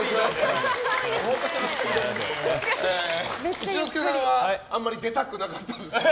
一之輔さんは、あんまり出たくなかったんですか？